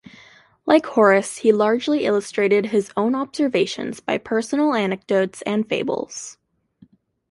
Like Horace he largely illustrated his own observations by personal anecdotes and fables.